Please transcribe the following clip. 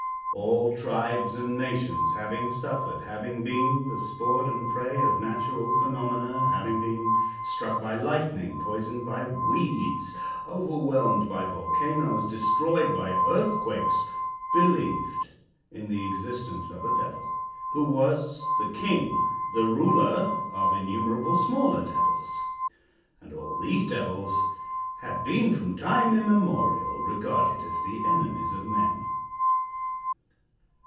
All tribes and nations, having suffered, having been the sport and prey of natural phenomena, having been struck by lightning, poisoned by weeds, overwhelmed by volcanoes, destroyed by earthquakes, believed in the existence of a Devil, who was the king the ruler of innumerable smaller devils, and all these devils have been from time immemorial regarded as the enemies of men.